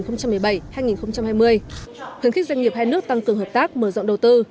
khuyến khích doanh nghiệp hai nước tăng cường hợp tác mở rộng đầu tư